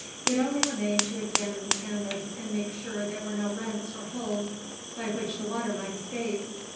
It only remained to examine the canvas, and make sure there were no rents or holes by which the water might escape.